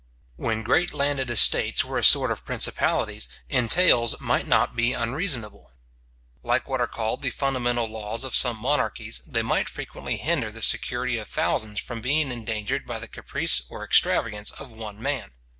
When great landed estates were a sort of principalities, entails might not be unreasonable. Like what are called the fundamental laws of some monarchies, they might frequently hinder the security of thousands from being endangered by the caprice or extravagance of one man.